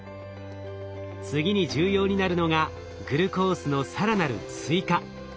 次に重要になるのがグルコースの更なる追加。